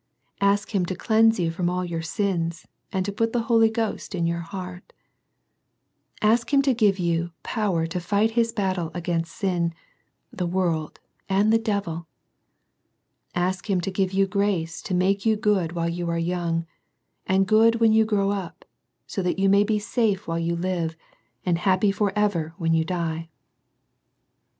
Ask Hira to cleanse you from all your sins, and to put the Holy Ghost in your heart Ask Him to give you power to fight His battle against sin, the world, and the devil. Ask Him to give you grace to make you good while you are young, and good when you grow up, that so you may be safe while you live, and happy for ever when you die.